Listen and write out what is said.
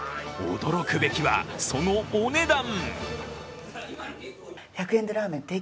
驚くべきは、そのお値段。